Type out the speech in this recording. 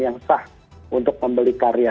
yang sah untuk membeli karya